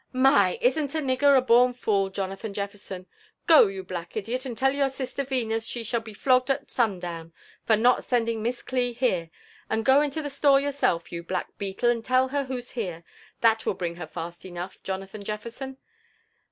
"My!— Isn't a nigger a born fool, Jonathan Jeflierson ? Go, you black idiot, and tell your sister Venus she shall be flogged at sundown, for not sending Miss Cli here; and go into the store yourself, you black beetle, and tell her who's here: that will bring her fast enough, Jona than Jeflerson.